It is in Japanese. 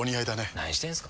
何してんすか。